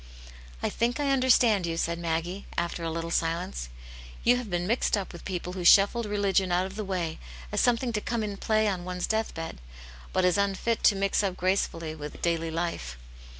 "I think I understand you," said Maggie, after a little silence. "You have been mixed up with people who shuffled religion out of the way, as some thing to come in play on one's death bed, but as unfit to mix up gracefully with daily life.